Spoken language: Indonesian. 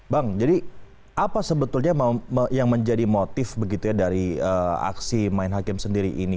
bang jadi apa sebetulnya yang menjadi motif begitu ya dari aksi main hakim sendiri ini